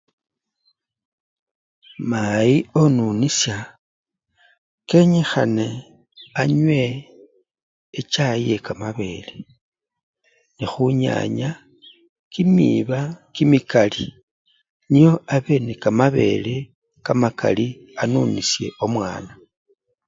Mayi onunisya kenyikhane anywe echai yekamabele nekhunyanya kimiba kimikali nio abe nekamabele kamakali anunisye omwana.